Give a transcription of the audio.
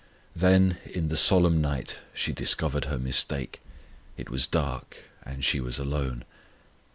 Then in the solemn night she discovered her mistake: It was dark, and she was alone.